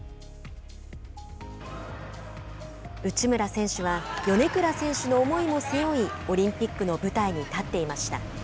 内村選手は米倉選手の思いも背負いオリンピックの舞台に立っていました。